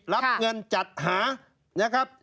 รับเงินจัดหานะครับ